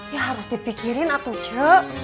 ya harus dipikirin atu ce